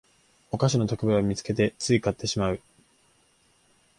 お菓子の特売を見つけてつい買ってしまう